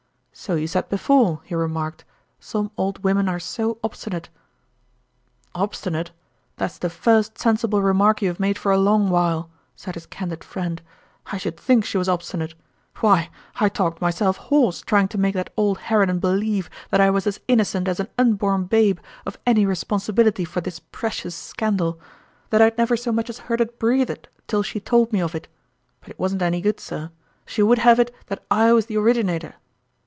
" So you said before," he remarked ;" some old women are so obstinate !"" Obstinate \ That's the first sensible remark you've made for a long while !" said his candid friend. " I should think she was obstinate ! "Why, I talked myself hoarse trying to make that old harridan believe that I was as innocent as an unborn babe of any responsibility for this precious scandal that I'd irever so much as heard it breathed till she told me of it ; but it wasn't any good, sir ; she would have it that I was the originator